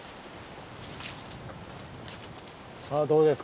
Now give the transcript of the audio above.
さあどうですか？